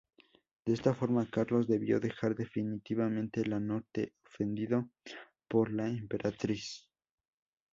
De esta forma Carlos debió dejar definitivamente la corte, ofendido por la Emperatriz.